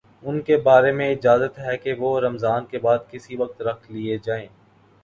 ان کے بارے میں اجازت ہے کہ وہ رمضان کے بعد کسی وقت رکھ لیے جائیں